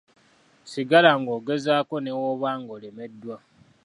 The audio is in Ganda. Sigala ng'ogezaako ne bw'oba ng'olemeddwa.